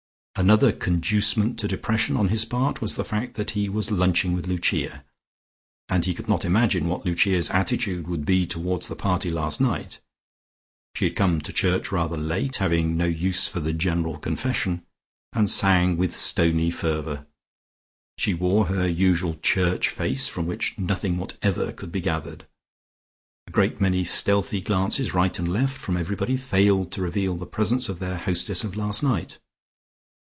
Another conducement to depression on his part was the fact that he was lunching with Lucia, and he could not imagine what Lucia's attitude would be towards the party last night. She had come to church rather late, having no use for the General Confession, and sang with stony fervour. She wore her usual church face, from which nothing whatever could be gathered. A great many stealthy glances right and left from everybody failed to reveal the presence of their hostess of last night.